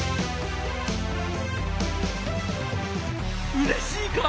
うれしいか？